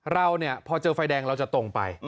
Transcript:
เราเนี่ยพอเจอไฟแดงเราจะตรงไป